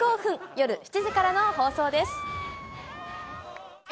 夜７時からの放送です。